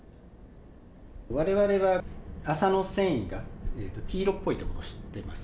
我々は麻の繊維が黄色っぽいということを知っています。